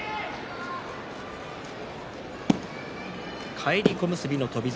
返り小結の翔猿